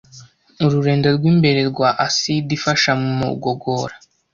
Ururenda rwimbere rwa acide ifasha mugogora